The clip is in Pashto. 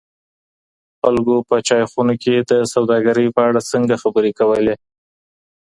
خلګو په چای خونو کي د سوداګرۍ په اړه څنګه خبرې کولې؟